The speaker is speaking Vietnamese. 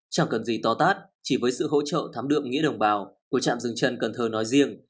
chẳng cần gì to tát chỉ với sự hỗ trợ thám đượm nghĩa đồng bào của trạm dừng chân cần thơ nói riêng